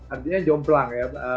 artinya jomplang ya